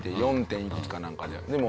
４点いくつかなんかで。